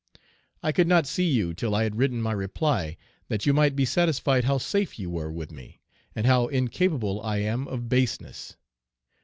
I could not see you till I had written my reply, that you might be satisfied how safe you were with me, and how incapable I am of baseness.'"